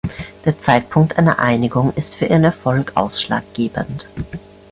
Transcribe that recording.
Der Zeitpunkt einer Einigung ist für ihren Erfolg ausschlaggebend.